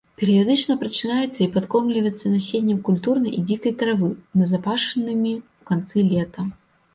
Перыядычна прачынаецца і падкормліваецца насеннем культурнай і дзікай травы, назапашанымі ў канцы лета.